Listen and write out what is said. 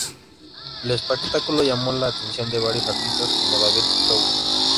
El espectáculo llamó la atención de varios artistas como David Bowie.